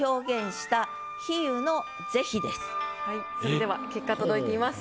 それでは結果届いています。